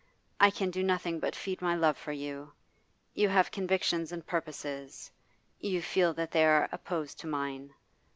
I can do nothing but feed my love for you. You have convictions and purposes; you feel that they are opposed to mine.